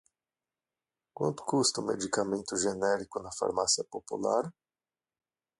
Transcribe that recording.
Quanto custa o medicamento genérico na farmácia popular?